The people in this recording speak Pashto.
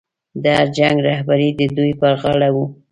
د هر جنګ رهبري د دوی پر غاړه وه.